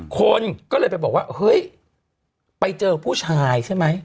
คนก็เลยไปบอกว่าเฮ้ยไปเจอผู้ชายใช่ไหม